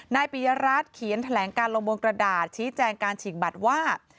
ปียรัฐเขียนแถลงการลงบนกระดาษชี้แจงการฉีกบัตรว่า